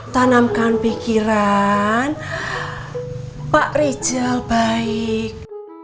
tanamkan pikiran pak rijal baik